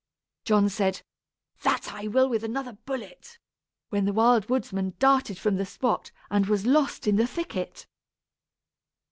John said, "That I will with another bullet," when the Wild Woodsman darted from the spot, and was lost in the thicket.